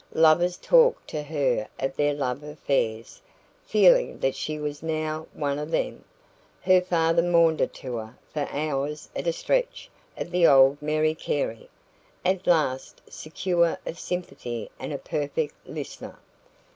Lovers talked to her of their love affairs, feeling that she was now one of them. Her father maundered to her for hours at a stretch of the old Mary Carey, at last secure of sympathy and a perfect listener.